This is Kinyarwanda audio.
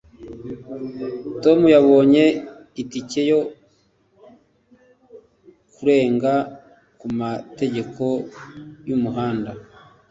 Tom yabonye itike yo kurenga ku mategeko y’umuhanda.